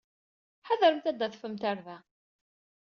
Ḥadremt ad d-tadfemt ɣer da!